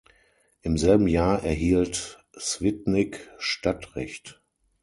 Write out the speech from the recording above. Im selben Jahr erhielt Świdnik Stadtrecht.